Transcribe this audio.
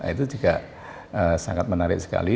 itu juga sangat menarik sekali